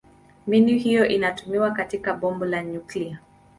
Mbinu hiyo inatumiwa katika bomu la nyuklia.